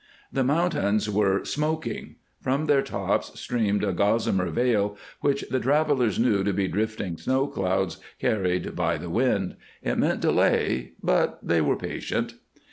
The mountains were "smoking"; from their tops streamed a gossamer veil which the travelers knew to be drifting snow clouds carried by the wind. It meant delay, but they were patient.